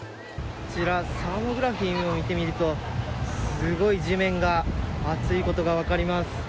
こちらサーモグラフィーを見てみるとすごい地面が熱いことが分かります。